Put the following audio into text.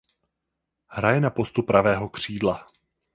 Hraje na postu pravého křídla.